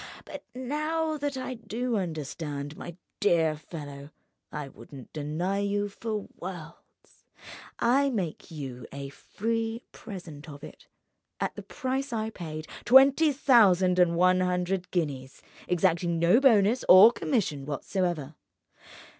But now that I do understand, my dear fellow, I wouldn't deny you for worlds; I make you a free present of it, at the price I paid—twenty thousand and one hundred guineas—exacting no bonus or commission whatever.